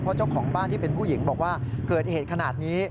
เพราะเจ้าของบ้านที่เป็นผู้หญิงบอกว่าเกิดเหตุขนาดนี้